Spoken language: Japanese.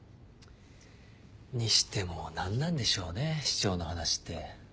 にしても何なんでしょうね市長の話って。